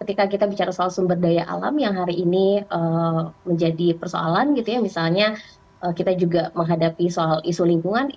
ketika kita bicara soal sumber daya alam yang hari ini menjadi persoalan gitu ya misalnya kita juga menghadapi soal isu lingkungan